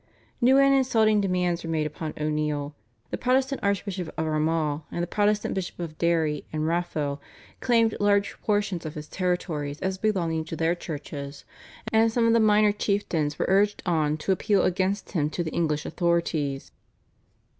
New and insulting demands were made upon O'Neill; the Protestant Archbishop of Armagh and the Protestant Bishop of Derry and Raphoe claimed large portions of his territories as belonging to their churches, and some of the minor chieftains were urged on to appeal against him to the English authorities.